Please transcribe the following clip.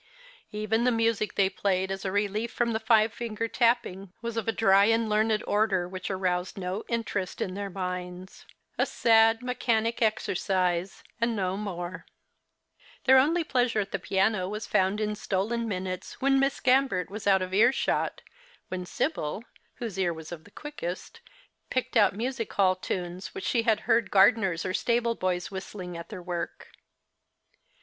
Even the music they played as a relief from the five finger tapping was of a dry and learned order which aroused no interest in their minds — a " sad, mechanic exercise," and no more. Then 64 The Christma.s Hirelings. only pleasure at the piano was fonnci in stolen minutes, when Miss Gambert was out of ear shot, when Sibyl, whose ear was of the quickest, picked out music hall tunes, which she had heard gardeners or stable boys whistling at their work.